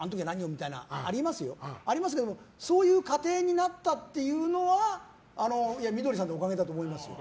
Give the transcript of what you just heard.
みたいなのはありますけどそういう家庭になったっていうののは美どりさんのおかげだと思いますよ。